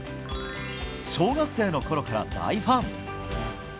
小学生のころから大ファン。